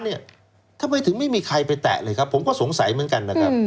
ทำไมถึงไม่มีใครไปแตะเลยครับผมก็สงสัยเหมือนกันนะครับ